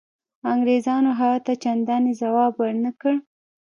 انګرېزانو هغه ته چنداني ځواب ورنه کړ.